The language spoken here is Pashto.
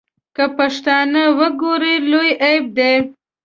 که پښتانه وګوري لوی عیب دی.